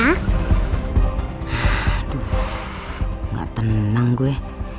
aduh gak tenang gue